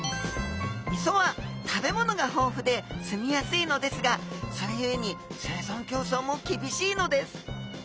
磯は食べ物が豊富で住みやすいのですがそれゆえに生存競争もきびしいのです。